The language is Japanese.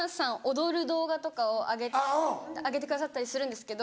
踊る動画とかを上げてくださったりするんですけど。